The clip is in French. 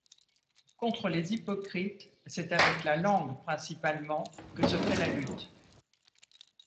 Contre les hypocrites, c'est avec la langue principalement que se fait la lutte.